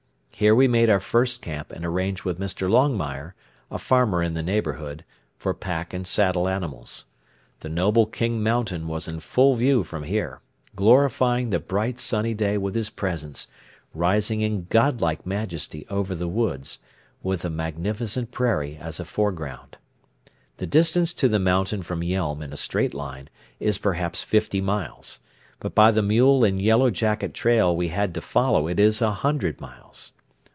Here we made our first camp and arranged with Mr. Longmire, a farmer in the neighborhood, for pack and saddle animals. The noble King Mountain was in full view from here, glorifying the bright, sunny day with his presence, rising in godlike majesty over the woods, with the magnificent prairie as a foreground. The distance to the mountain from Yelm in a straight line is perhaps fifty miles; but by the mule and yellowjacket trail we had to follow it is a hundred miles.